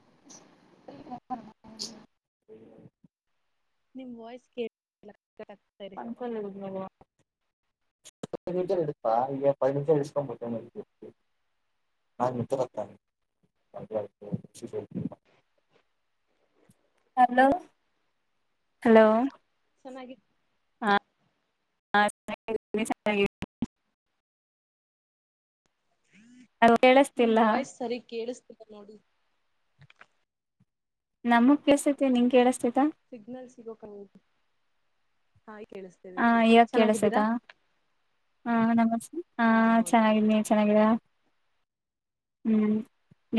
[unintelligible] ನಿಮ್ ವಾಯ್ಸ್ ಕೇಳಿಸುತ್ತಿಲ್ಲ ಒಣಕಲ್ಲವಾ [unintelligible] ನಿಟ ಎತಾ ಈ ಪ ನಿಟ ಎಕೊಂಡತ ನಾನು ಮತನೆ [unintelligible] ಹಲೋ ಹಲೋ ಚೆನ್ನಾಗಿ ಹಾ ಚೆನ್ನಾಗಿದ್ದೀವಿ ನೀವ್ ಚೆನ್ನಾಗಿದ್ದೀರಾ ನಿಮ್ ಕೇಳಿಸ್ತಿಲ್ಲ ವಾಯ್ಸ್ ಸರಿ ಕೇಳಸ ನೋಡಿ ನಮಗ್ ಕೆಲ್ಸತಿ ನಿನ್ ಕೇಳ ಸಿಗ್ನಲ್ ಸಿಗೋಕಾಗದು ಹಾ ಕೇಳಿಸ್ತೇದೆ ಹ ಹೇಳಿ ಚೆನ್ನಾಗಿದ್ದೀರಾ ಹಾ ನಮಸ್ತೆ ಹಾ ಚೆನ್ನಾಗಿದನಿ ನೀವ ಚೆನ್ನಾಗಿದ ಹ್ಮ್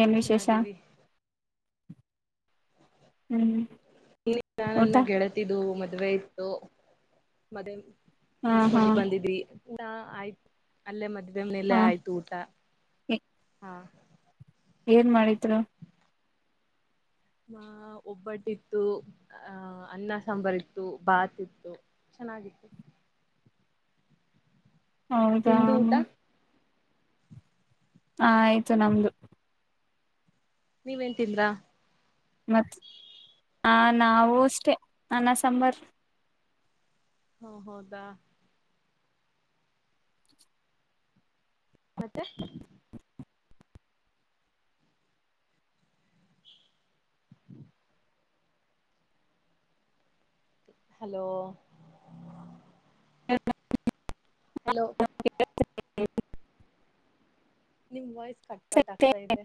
ಹಾ ಏನ್ ವಿಶೇಷ ಚೆನ್ನಾಗೀದಿವಿ ಹ್ಮ್ ಊಟ ನ್ನ ಗೆಳತಿದು ಮತ್ತೆ ಮದುವೆ ಇತ್ತು ಮತ್ತೆ ಹಾ ಹಾ ಮುಗಸಕೊಂಡಿ ಬಂದಿದವಿ ಟಾ ಆಯ್ತು ಅಲ್ಲೇ ಮದ್ವೆ ಮನೆ ಅಲ್ಲೆ ಹಾ ಆಯ್ತು ಊಟ ಹಾ ಏನ್ ಮಾಡಿದರು ಹ ಒಬ್ಬಟ್ಟಿತ್ತು ಆಹ ಅನ್ನ ಸಾಂಬಾರ್ ಇತ್ತು ಭಾತ್ ಇತ್ತು ಚೆನ್ನಾಗಿತ್ತು ಹೌದಾ ನಿಮ್ದು ಊಟ ಹ ಆಯ್ತು ನಮ್ದು ನೀವೇನ್ ತಿಂದ್ರಾ ಮತ್ತ ಹ ನಾವು ಅಷ್ಟೇ ಅನ್ನ ಸಾಂಬಾರ ಹಾ ಹೌದಾ ಮತ್ತೆ ಹಲೋ ಹಲೋ [inaudible] ನಿಮ್ ವಯ್ಸ್ ಕಟ್ ಕಟ್ ಆಗ್ತಾ ಇದೆ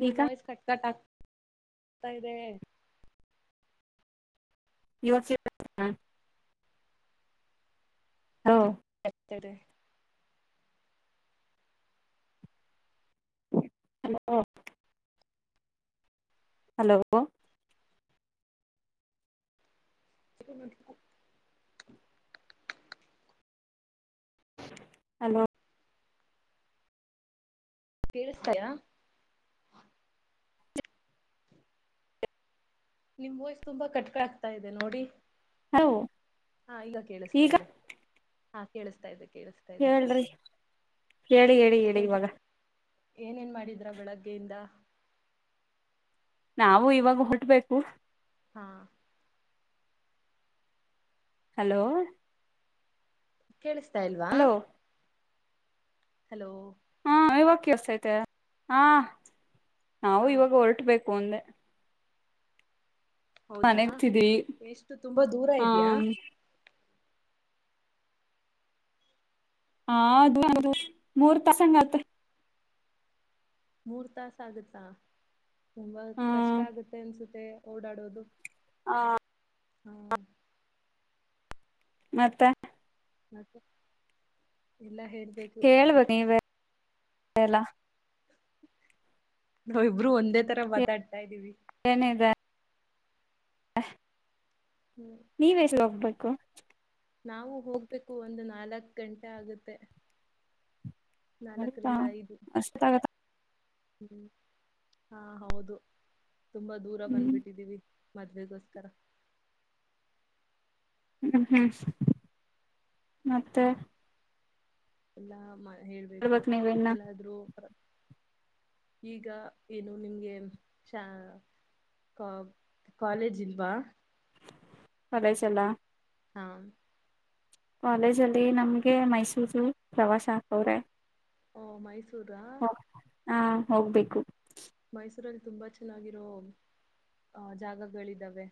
ನಿಮ್ ಈಗ ವಾಯ್ಸ್ ಕಟ್ ಕಟ್ ಆಗ್ತ ಕಾಯರೆ ಯೋ ಈಗ್ಲಿತಾರೆ ಹಲೋ ಹಲೋ ಚ ಹಲೋ ಕೇಳಿಸ್ತಾಯಾ ನಿಮ್ ವಯ್ಸ್ ತುಂಬಾ ಕಟ್ಕೆ ಆಗ್ತಾ ಇದೆ ನೋಡಿ ಹಲೋ ಹಾ ಈಗ ಕೇಳಿಸ್ತಾ ಈಗ ಇದೆ ಹಾ ಕೇಳಿಸತ ಇದ್ದವಿ ಹೇಳ್ರಿ ಹೇಳಿ ಹೇಳಿ ಹೇಳಿ ಹೇಗೆ ಇವಾಗ ಏನೇನ್ ಮಾಡಿದ್ರ ಬೆಳಗ್ಗೆಯಿಂದ ನಾವು ಇವಾಗ ಹೊಟ್ಬೇಕು ಹಾ ಹಲೋ ಕೇಳಿಸ್ತಾ ಇಲ್ವಾ ಹಲೋ ಹಲೋ ಹಾ ಇವಕ್ಯಸೈತೆ ಹಾ ನಾವು ಹಾ ಇವಾಗ ಹೊರಟ ಬು ಪಂದ ಹೌದಾ ಮನೆಗ್ತಿದ್ವಿ ಎಷ್ಟು ತುಂಬಾ ದೂರ ಹ ಇದ್ಯಾಾ ಹದು ಅದು ಮೂರ್ ತಸಂಗತ್ ಮೂರ್ತಾ ಸಾಗಸಾ ತುಂಬಾ ಕಷ್ಟ ಹ್ಮ್ ಆಗುತ್ತೆ ಅನ್ಸುತ್ತೆ ಓಡಾಡೋದು ಹ ಹ್ಮ್ ಮತ್ತ ಮತ್ತೆ ಎಲ್ಲಾ ಹೇಳ್ಬೇಕು ಕಲ ನಾಾವ ಇಬರು ಒಂದೇ ತರ ಮಾತಾಡ್ತಾ ಇದ್ದೀವಿ ಏನದ ಹಾ ಹ್ಮ್ ನೀವ್ ಹೆಸ ಹೋಗ್ಬು ನಾವು ಹೋಗ್ಬೇಕು ಒಂದು ನಾಲ್ಕ್ ಗಂಟೆ ಆಗುತ್ತೆ ಆಯತಾ ನಾಲ್ಕರಿಂದ ಐದು ಅಷ್ಟ ಆಗತ್ತ ಹ್ಮ್ ಹಾ ಹೌದು. ತುಂಬಾ ದೂರ ಹ್ಮ್ ಬಂದ್ಬಿಟ್ಟಿದ್ದೀವಿ. ಮದ್ವೆಗೋಸ್ಕರ ಹ ಹ್ಮ ಮತ್ತೆ ಎಲ್ಲ ಮಾಡ ಹೇಳ್ಬೇಕು ಹೇಳ್ಬೇಕ್ ನೀವ ಇನ್ನ ಎಲ್ಲಾದ್ರೂ ಈಗ ಏನು ನಿಮ್ಗೆ ಶಾ ಕಾ ಕಾಲೇಜ್ ಇಲ್ವಾ. ಕಾಲೇಜೆಲ್ಲಾ ಹಾ ಕಾಲೇಜ ಅಲ್ಲಿ ನಮಗೆ ಮೈಸೂರು ಪ್ರವಾಸ ಹಾಕವ್ರೆ. ಓ ಮೈಸೂ ಉರ್ ಹಾಂ ಹೋಗ್ಬೇಕು. ತುಂಬಾ ಚೆನ್ನಾಗಿರೋ ಅ ಜಾಗಗಳಿದ್ದಾವೆ.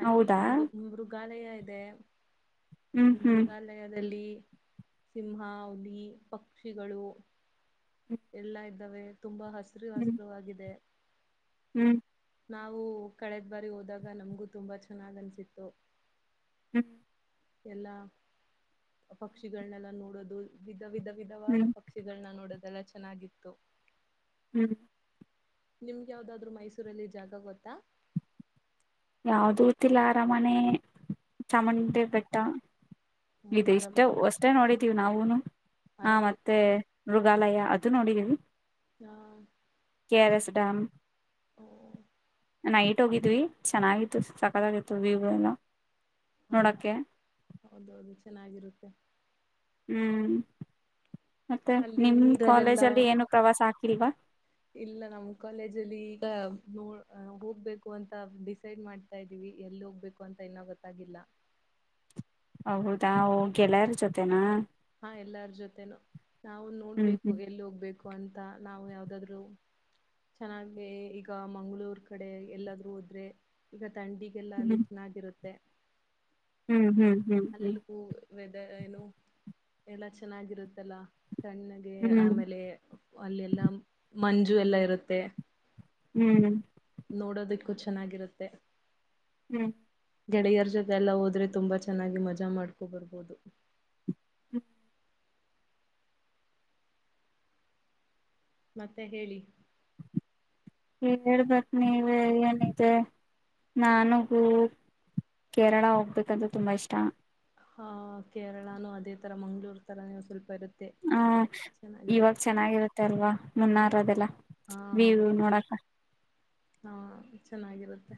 ಅಲ್ಲಿ ಹೌದಾ ಒಂದು ಮೃಗಾಲಯ ಅದೇ ಹ್ಮ್ ಹ್ಮ್ ಮೃಗಾಲಯದಲ್ಲಿ ಸಿಂಹ ಹುಲಿ ಪಕ್ಷಿಗಳು ಎಲ್ಲಾ ಇದ್ದಾವೆ ತುಂಬಾ ಹಸ ಹೆಸ್ರ ಹ್ಮ್ ವಾಸ್ತುವಾಗಿದೆ. ಹ್ಮ್ ನಾವು ಕಳೆದ ಬಾರಿ ಹೋದಾಗ ನಮ್ಗೂ ತುಂಬಾ ಚೆನ್ನಾಗ್ ಅನ್ಸಿತ್ತು. ಹ್ಮ ಎಲ್ಲಾ ಪಕ್ಷಿಗಳನ್ನೆಲ್ಲ ನೋಡೋದು ವಿಧ ವಿಧವಾದ ಹ್ಮ್ ಪಕ್ಷಿಗಳನ್ನ ನೋಡ ಅದೆಲ್ಲ ಚೆನ್ನಾಗಿತ್ತು. ಹ್ಮ್ ನಿಮ್ಗೆ ಯಾವ್ದಾದ್ರು ಮೈಸೂರಲ್ಲಿ ಜಾಗಾ ಗೊತ್ತಾ. ಯಾವ್ದೂತಿಲ್ಲ ಅರಮನೆ ಹ ಚಾಮುಂಡಿ ಬೆಟ್ಟ ಇದು ಅರಮ ಇಷ್ಟ ವಷ್ಟೇ ನೋಡಿದ ನಾವೂನು ಹಾ ಅರಮನೆ ಮತ್ತೆ ಮೃಗಾಲಯ ಅದು ನೋಡಿದೀವಿ. ಹಾ K R S dam. Night ಹೋಗಿದ್ವಿ ಚೆನ್ನಾಗಿತ್ತು ಸಕತ್ತಾಗಿತ್ತು ವ್ಯೂ ಎಲ್ಲಾ. ಹಾ ಹೌದುೌದು ಚೆನ್ನಾಗಿರುತ್ತೆ ಹ್ಮ್ ಮತ್ತೆ ಅಲ್ಲಿ ನಿಮ್ ಕಾಲೇಜ ನೀರಲ್ಲೆಲ್ಲಾ ಅಲ್ಲಿ ಏನು ಪ್ರವಾಸ ಆಾಕ್ತ ಕಿವಾ ಇಲ್ಲ ನಮ್ ಕಾಲೇಜ ಅಲ್ಲಿ ಈಗ ನೋ ಹೋಗ್ಬೇಕು ಅಂತ ಡಿಸೈಡ್ ಮಾಡ್ತಾ ಇದ್ದೀವಿ ಎಲ್ಲಿ ಹೋಗ್ಬೇಕು ಅಂತ ಇನ್ನ ಗೊತ್ತಾಗಿಲ್ಲ ಹೌದಾ ಗೆಳೆಯಾರ ಜೊತೆೇನಾ ಹಾ ಎಲ್ಲಾರ ಜೊತೆೇನು ನಾವು ಹ್ಮ್ ನೋಡ್ಬೇಕು ಹ್ಮ್ ಎಲ್ಲಿ ಹೋಗ್ಬೇಕು ಅಂತ ನಾವು ಯಾವದಾದ್ರು ಚೆನ್ನಾಗಿ ಈಗ ಮಂ್ಗಳೂರು ಕಡೆ ಎಲ್ಲಾದ್ರೂ ಹೋದ್ರೆ ಈಗ ತಂಡಿಗೆಲ್ಲ ಅ ಲ ಚನ್ನಾಗಿರುತ್ತೆ ತ್ತ ಹ್ಮ್ ಹ್ಮ್ ಹ್ಮ್ ಹ್ಮ್ ಹ್ಮ್ ಹಲ್ಲು ಪೂ ವದ ಏನು ಎಲ್ಲಾ ಚೆನ್ನಾಗಿರುತ್ತಲ್ಲ ಸಣ್ಣಗೆ ಹ್ಮ್ ಆಮೇಲೆ ಅಲ್ಲೆಲ್ಲ ಮಂಜು ಎಲ್ಲಾ ಇರುತ್ತೆ ಹ್ಮ್ ನೋಡೋದಿಕ್ಕೂ ಚೆನ್ನಾಗಿರುತ್ತೆ ಹ್ಮ್ ಗೆಡೆಯರ ಜೊತೆ ಎಲ್ಲ ಹೋದ್ರೆ ತುಂಬಾ ಚೆನ್ನಾಗಿ ಮಜಾ ಮಾಡ್ಕೊ ಬರ್ಬೋುದು ಹ್ಮ ಮತ್ತೆ ಹೇಳಿ ಹೇಳ್ಬೇಕ ನೀವ ಏನಿದೆ ನಾನಗೂ ಕೇರಳ ಹೋಗ್ಬೇಕಂದ್ರೆ ತುಂಬಾ ಇಷ್ಟ ಹ ಕೇರಳಾನು ಅದೇ ತರ ಮಂಗ್ಳೂರ್ ತರ ನೀವು ಸ್ವಲ್ಪ ಇರುೆ ಹ ಇವಾಗ ಚೆನ್ನಾಗಿರುತ್ತೆ ಅಲ್ವಾ ಹಾ ಮುನ್ನಾರೋದೆಲ್ಲ ಹಾ ವ್ಯವ ಹೌದು ನೋಡಕ ಹಾ ಚೆನ್ನಾಗಿರುತ್ತೆ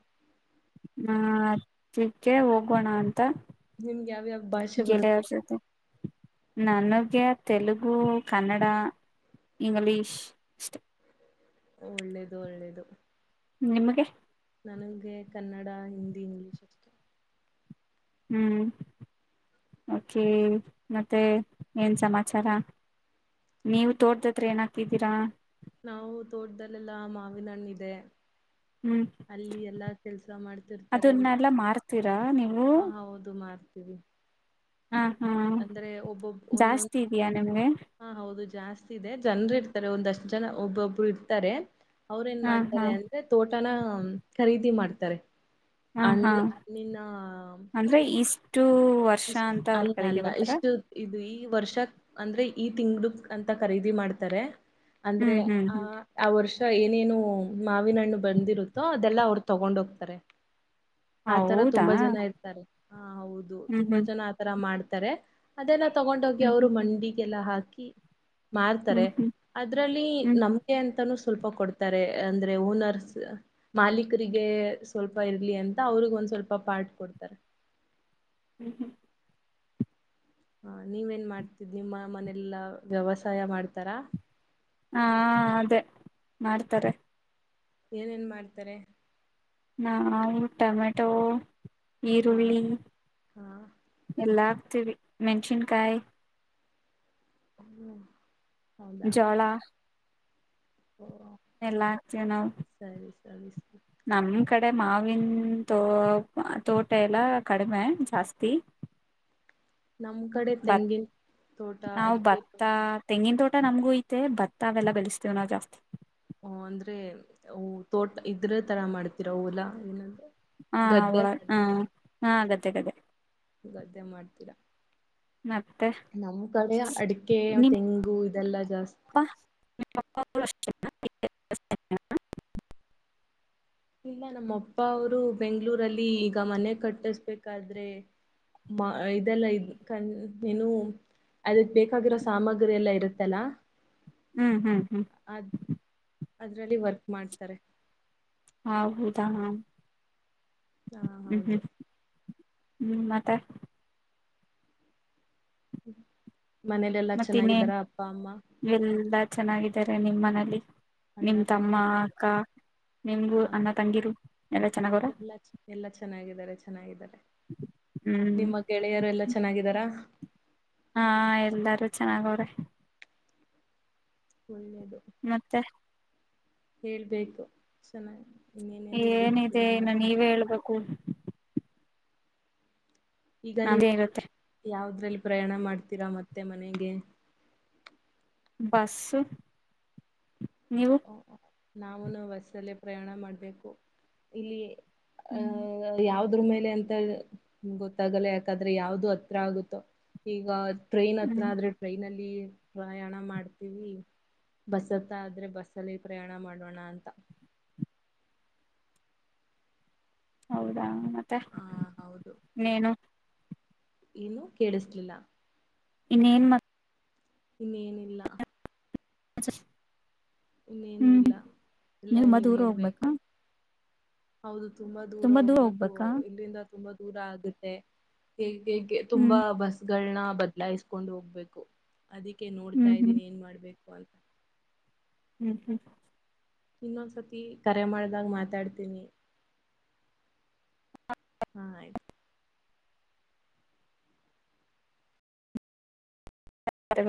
ಹ ಹದಕ್ಕೆ ಹೋಗೋಣ ಅಂತ ನಿಮ್ಗೆ ಯಾವ್ಯಾವ ಭಾಷೆ ಗೇಲ್ಲ ಬರುತ್ತೆ ವರ್ಷ ನ ನ ಗೆ ತೆಲುಗು ಕನ್ನಡ ಇಂಗ್ಲೀಷ್ ಅಷ್ಟೇ ಒಳ್ಳೇದು ಒಳ್ಳೇದು ನಿಮಗೆ ನನಗೆ ಕನ್ನಡ ಹಿಂದಿ ಇಂಗ್ಲೀಷ್ ಅಷ್ಟೇ ಹ್ಮ್ ಓಕೆ ಮತ್ತೆ ಏನ್ ಸಮಾಚಾರ ನೀವು ತೋರ್ದತ್ರ ಏನಾಗ್ತಿದ್ದೀರಾ ನಾವು ತೋಟದಲ್ಲೆಲ್ಲಾ ಮಾವಿನಣ್ಣಿದೆ ಹ್ಮ್ ಅಲ್ಲಿ ಎಲ್ಲ ಕೆಲ್ಸ ಮಾಡ್ತಿರ್ತಾರೆ ಅದನ್ನೆಲ್ಲಾ ಮಾರ್ತೀರಾ ನೀವು ಆ ಹೌದು ಮಾರ್ ಹ್ ಹ ಹಾ ಅಂದ್ರೆ ಒಬ್ಬೊಬ್ಬ ಒಂದೊ ಜಾಸ್ತಿ ಇದಯಾ ನಿಮ್ಗೆ ಹಾ ಹೌದು ಜಾಸ್ತಿ ಇದೆ ಜನ್ರು ಇರ್ತಾರೆ ಒಂದಷ್ಟ ಜನ ಒಬ್ಬೊಬ್ರು ಇರ್ತಾರೆ ಅವ್ರ ಏನ್ ಹ ಹಾ ಮಾಡ್ತಾರೆ ಅಂದ್ರೆ ತೋಟನ ಖರೀದಿ ಮಾಡ್ತಾರೆ ಹ ಅನ್ ಹಾ ಅನ್ನಿ ನಾ ಷ್ಟು ವರ್ಷ ಅಂತ ಅವರು ಕರೀಗೆ ಬರ್ತಾರ ಇಷ್ಟು ಇದು ಈ ವರ್ಷ ಅಂದ್ರೆ ಈ ತಿಂಗಳಕ್ ಅಂತ ಖರೀದಿ ಮಾಡ್ತಾರೆ ಅಂದ್ರೆ ಹ್ಮ್ ಹ್ಮ್ ಆ ಹ್ಮ್ ಆ ವರ್ಷ ಏನೇನು ಮಾವಿನ ಹಣ್ಣು ಬಂದಿರುತ್ತೋ ಅದೆಲ್ಲಾ ಅವ್ರು ತಗೊಂಡ ಹೋಗ್ತಾರೆ ಆತರ ಹೌದಾ ತುಂಬಾ ಜನ ಇರ್ತಾರೆ ಹ ಹೌದು ಹ್ಮ್ ತುಂಬಾ ಹ್ಮ್ ಜನ ಆತರ ಮಾಡ್ ತರೆ ಅದೆಲ್ಲ ತೊಗೊಂಡ್ ಹೋಗಿ ಹ್ಮ್ ಅವ್ರ ಮಂಡಿ ಎಲ್ಲ ಹಾಕಿ ಮಾರ್ತಾರೆ ಹ್ಮ್ ಹ್ಮ್ ಅದ್ರಲ್ಲಿ ಹ್ಮ್ ನಮ್ಗೆ ಅಂತನ ಸ್ವಲ್ಪ ಕೊಡ್ತಾರೆ ಅಂದ್ರೆ ಓನರ್ಸ್ ಮಾಲೀಕರಿಗೆ ಸ್ವಲ್ಪ ಇರ್ಲಿ ಅಂತ ಅವ್ರಗ ಒಂದ್ ಸ್ವಲ್ಪ ಪಾರ್ಟ್ ಕೊಡ್ತಾರೆ ಹ್ಮ್ ಹ್ಮ ಹ ನೀವೇನ್ ಮಾಡ್ತಿದಿ ನಿಮ್ಮ ಮನೆೆಯಲ್ಲಾ ವ್ಯವಸಾಯ ಮಾಡ್ತಾರಾ ಹಾ ಅದೇ ಮಾಡ್ತಾರೆ ಏನೇನ್ ಮಾಡ್ತಾರೆ ನಾವು ಟೊಮೆಟೊ ಹಾ ಈರುವರುವಿ ಹಾ ಎಲ್ಲಾ ಮೆನ್ಷನ್ ಕಾಯ ಹ್ಮ್ [inaudible] ಜಳ ಓ ಎಲ್ಲ ಹಾಕ್ತೇವಿ ನಾವು ಚ [inaudible] ಅೆ ಮಾವಿನ ತೋ ತೋಟ ಎಲ್ಲ ಕಡಿಮೆ ಜಾಸ್ತಿ ನಮ್ ಕಡೆ ಬತ್ ತೆಂಗಿನ ತೋಟ ನಾವು ಅಡಿಕೆ ಇತ್ತು ಭತ್ತ ತೆಂಗಿನ ತೋಟ ನಮಗೂ ಐತೆ ಬತ್ತಾವೆಲ್ಲಾ ಬೆಳಸ್ತೇವ ನಾವು ಜಾಸ್ತಿ ಓ ಅಂದ್ರೆ ತೋಟ ಇದ್ರೆ ತರ ಮಾಡ್ತಿೀರಲ್ಲಾ ಏನಂದ ಹ ಅವಳ ಹ ಆಗತ್ತೆ [inaudible] ಗದ್ದೆ ಮಾಡ್ತೀರಾ ಮತ್ತೆ ನಮ್ ಕಡೆ ಅಡಿಕೆ ನಿಮ್ ತೆಂಗು ಇದೆಲ್ಲಾ ಜಾಸ್ತಿ ಅಪ್ಪ [inaudible] ಇಲ್ಲ ನಮ್ಮ ಅಪ್ಪ ಅವರು ಬೆಂಗಗಳೂರಲ್ಲಿ ಈಗ ಮನೆ ಕಟ್ಟಿಸಬೇಕಾದ್ರೆ ಮ ಇದೆಲ್ಲ ಇದ ಏನು ಅದಕ್ ಬೇಕಾಗಿರೋ ಸಾಮಗ್ರಿ ಎಲ್ಲ ಇರುತ್ತಲ್ಲಾ ಹ್ಮ್ ಹ್ಮ್ ಹ್ಮ್ ಅದರಲ್ಲಿ ವರ್ಕ್ ಮಾಡ್ತಾರೆ ಹಾ ಹೌದಾ ಹಾ ಹಾ ಹೌದು ಹ್ಮ್ ಮತ್ತೆ ಹ್ಮ ಮನೇಲೆಲ್ಲಾ ಮತ್ತ ಇನ್ನೇನ್ ಚೆನ್ನಾಗಿದ್ದಾರಾ ಅಪ್ಪ ಅಮ್ಮ ಎಲ್ಲಾ ಚೆನ್ನಾಗಿದ್ದಾರೆ ನಿಮ್ಮ ಮನಲಿ ನಿಮ್ ಅಣ್ಣ ತಮ್ಮ ತಂಗಿ ಅಕ್ಕ ನಿಮ್ಗೂ ಅನ್ನ ಅಕ್ಕ ತಂಗಿರು ಎಲ್ಲ ಚೆನ್ನಾಗವರ ಚೆನ್ನಿದ್ದಾರೆ ನಿಮ್ಮ ಗೆಳೆಯರು ಎಲ್ಲಾ ಚೆನ್ನಾಗಿದ್ದಾರಾ ಹಾ ಎಲ್ಲಾರು ಚೆನ್ನಾಗ್ರಿ ಒಳ್ಳದು ಮತ್ತೆ ಹೇಳ್ಬೇಕು ಚೆನ್ನಾಗಿ ಇನ್ನೇನೇನ್ ನಡೀತಿದೆ ಏನಿದೆ ನಿಮ್ಮ ಇನ್ನು ನೀವೇ ಹೇಳ್ಬೋು ಕ್ಕು ಈಗ ನೀವು ನಮ್ದೇ ಇರುತ್ತೆ ಯಾವ್ದ ಲ್ಲಿ ಪ್ರಯಾಣ ಮಾಡ್ತೀರಾ ಮತ್ತೆ ಮನೆಗೆ ಬಸ್ ನೀವು ನಾವುನು ಬಸ್ಲ್ಲಿ ಪ್ರಯಾಣ ಮಾಡ್ಬೇಕು ಇಲ್ಲಿಯೇ ಹ್ಮ್ ಅ ಯಾವ್ದ ಅದ್ರ ಮೇಲೆ ಅಂತ ಗೊತ್ತಾಗಲ್ಲ ಯಾಕಾದ್ರೆ ಯಾವ್ದು ಹತ್ರ ಆಗುತ್ತೋ ಈಗ ಟ್ರೈನ್ ಹತ್ರ ಹ್ಮ್ ಆದ್ರೆಟ್ರೈ ಅಲ್ಲಿ ಪ್ರಯಾಣ ಮಾಡ್ತೀವಿ ಬಸ್ತ್ತ ಆದ್ರೆ ಬಸ್ ಸಲಿ ಪ್ರಯಾಣ ಮಾಡೋಣ ಅಂತ ಹೌದಾ ಮತ್ತೆ ಹ ನೀೇನು ಇನು ಕೇಳಿಸ್ಲಿಲ್ಲ ಇನ್ನೇನು ಮ ಇನ್ನೇಏನ ಇಿಲ್ಲ ಹ ಸರ್ ಇನ್ನೇನು ಇಲ್ಲ ಎಲ್ಲ ತುಂಬಾ ನೀವ್ ದೂರ ಹೋಗ್ಬೇಕಾ ಹೇಳ್ಬೇಕು ಹೌದು ತುಂಬಾ ದೂರ ಹೋಗ್ಬೇಕು ಇಲ್ಲಿಂದ ತುಂಬಾ ದೂರ ಆಗುತ್ತೆ ಹೇ ಹೇಗೆ ಹ್ಮ್ ತುಂಬಾ ಬಸ್ ಗಳನ ಬದ್ಲಾಯಿಸಕೊಂಡು ಹೋಗ್ಬೇಕು ಅದಕ್ಕೆ ನೋಡ್ತಾ ಹ್ಮ್ ಹ್ಮ್ ಇದೀನಿ ಏನ್ ಮಾಡ್ಬೇಕು. [unintelligible] ಹ್ಮ್ ಹ್ಮ್. ಇನ್ನೊಂದ್ಸತಿ ಕರೆ ಮಾಡ್ದಾಗ ಮಾತಾಡ್ತೀನಿ ಹಾ ಆಯ್ತು. ಹ್ಮ್